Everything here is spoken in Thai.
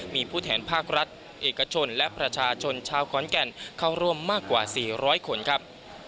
มีผู้แทนภาครัฐเอกชนและประชาชนชาวขอนแก่นเข้าร่วมมากกว่า๔๐๐คนครับ